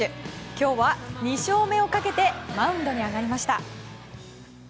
今日は２勝目をかけてマウンドに上がりました。